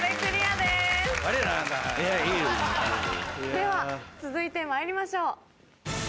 では続いてまいりましょう。